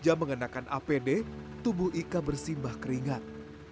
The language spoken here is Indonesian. dua belas jam mengenakan apd tubuh ika bersimbah keringat